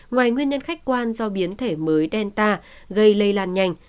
ngoài nguyên nhân khách quan do biến thể mới delta gây lây lan nhanh